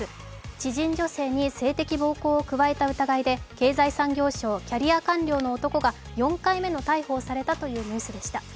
知人女性に性的暴行を加えた疑いで経済産業省、キャリア官僚の男が４回目の逮捕をされたというニュースでした。